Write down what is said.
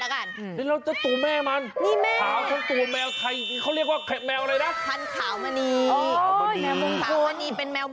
แลกเราถูกแม่มันขาวของตูแมวไทยเขาเรียกว่าแมวอะไรนะ